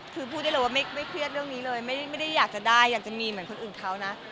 คือพูดได้เลยว่าไม่เครียดเรื่องนี้เลยไม่ได้อยากจะได้อยากจะมีเหมือนคนอื่นเขานะ